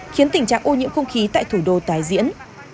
khiến tình trạng ô nhiễm không khí tại thủ đô tái diễn